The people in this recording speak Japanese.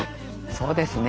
そうですね。